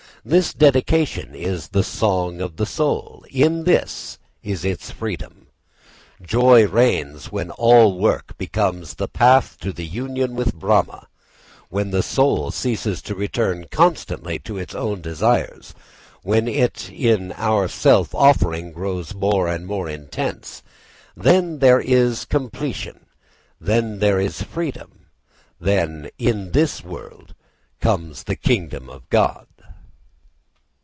This dedication is the song of the soul, in this is its freedom. Joy reigns when all work becomes the path to the union with Brahma; when the soul ceases to return constantly to its own desires; when in it our self offering grows more and more intense. Then there is completion, then there is freedom, then, in this world, comes the kingdom of God.